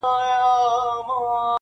که وچ لرګی ومه وچ پوست او څو نري تارونه,